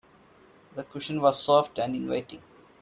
The cushion was soft and inviting.